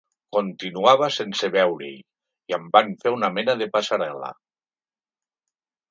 Continuava sense veure-hi i em van fer una mena de passarel·la.